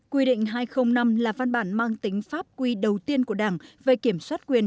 quy định hai trăm linh năm là văn bản mang tính pháp quy đầu tiên của đảng về kiểm soát quyền